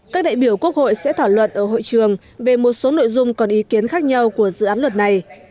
các đại biểu quốc hội sẽ thảo luận ở hội trường về một số nội dung còn ý kiến khác nhau của dự án luật này